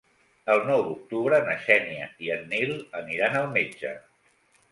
El nou d'octubre na Xènia i en Nil aniran al metge.